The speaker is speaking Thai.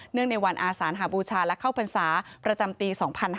ในวันอาสานหาบูชาและเข้าพรรษาประจำปี๒๕๕๙